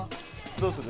どうする？